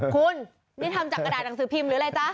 คุณนี่ทำจากกระดาษหนังสือพิมพ์หรืออะไรจ๊ะ